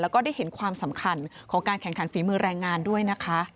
แล้วก็ได้เห็นความสำคัญของการแข่งขันฝีมือแรงงานด้วยนะคะ